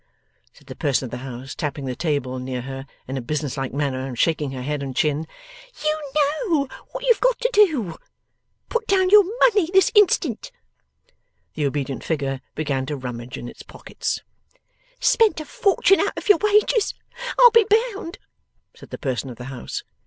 said the person of the house, tapping the table near her in a business like manner, and shaking her head and her chin; 'you know what you've got to do. Put down your money this instant.' The obedient figure began to rummage in its pockets. 'Spent a fortune out of your wages, I'll be bound!' said the person of the house.